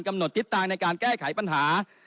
กำหนดติดตามในการแก้ไขปัญหา